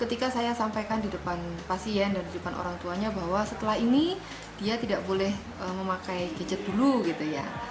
ketika saya sampaikan di depan pasien dan di depan orang tuanya bahwa setelah ini dia tidak boleh memakai gadget dulu gitu ya